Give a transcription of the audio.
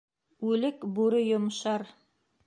Үлек бүре йомшар.